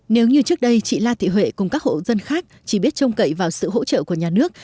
nếu như trước đây chị la thị huệ cùng các hộ dân khác chỉ biết trông cậy vào sự hỗ trợ của nhà nước